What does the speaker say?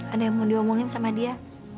ada yang mau diomongin sama dia